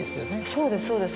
そうですそうです。